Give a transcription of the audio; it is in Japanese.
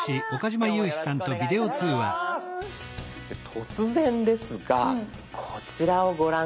突然ですがこちらをご覧下さい。